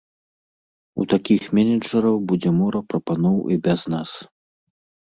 У такіх менеджараў будзе мора прапаноў і без нас.